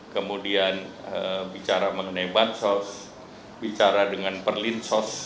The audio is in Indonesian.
kemudian bicara mengenai bansos bicara dengan perlinsos